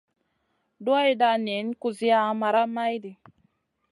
Duwayda niyn kusiya maraʼha maydi.